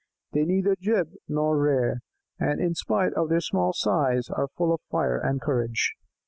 They neither jib nor rear, and in spite of their small size are full of fire and courage."